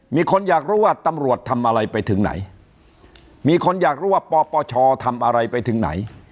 มีคนอยากรู้ว่าตำรวจทำอะไรไปถึงไหนมีคนอยากรู้ว่าปปชทำอะไรไปถึงไหน